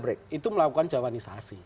itu melakukan jauhanisasi